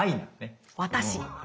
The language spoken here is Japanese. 「私」。